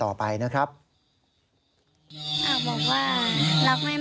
พ่อบอกว่ารักแม่มากค่ะเป็นเด็กดีตั้งใจเรียนเลี้ยงน้องช่วยยาย